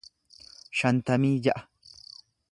shantamii ja'a